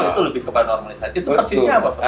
itu lebih kepada normalisasi itu persisnya apa